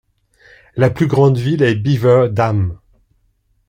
La plus grande ville est Beaver Dam.